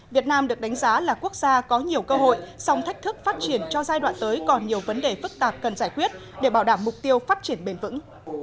việt nam được đánh giá là quốc gia có nhiều cơ hội song thách thức phát triển cho giai đoạn tới còn nhiều vấn đề phức tạp cần giải quyết để bảo đảm mục tiêu phát triển bền vững